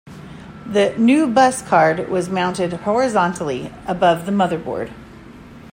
The NuBus card was mounted horizontally above the motherboard.